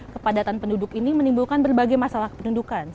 kepadatan penduduk ini menimbulkan berbagai masalah kependudukan